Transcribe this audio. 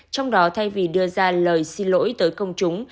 trong đó thay vì đưa ra lời xin lỗi tới công chúng